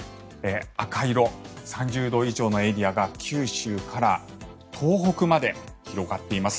赤い色、３０度以上のエリアが九州から東北まで広がっています。